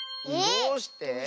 どうして？